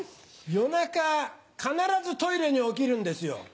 夜中必ずトイレに起きるんですよ。